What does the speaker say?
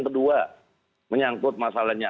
kedua menyangkut masalahnya